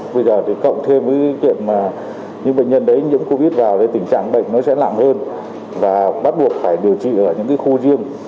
bây giờ thì cộng thêm với kiện mà những bệnh nhân đấy nhiễm covid vào thì tình trạng bệnh nó sẽ nặng hơn và bắt buộc phải điều trị ở những khu riêng